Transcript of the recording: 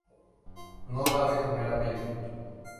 No dar de comer a Phil.